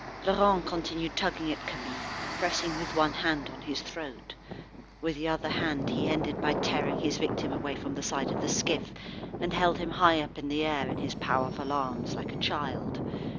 Laurent continued tugging at Camille, pressing with one hand on his throat. With the other hand he ended by tearing his victim away from the side of the skiff, and held him up in the air, in his powerful arms, like a child.